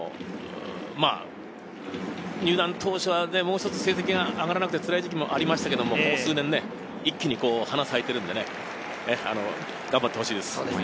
入団当初はもう一つ成績が上がらなくて、つらい時期もありましたけど、ここ数年一気に花咲いているんでね、頑張ってほしいです。